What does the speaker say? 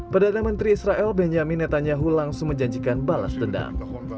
perdana menteri israel benjamin netanyahu langsung menjanjikan balas dendam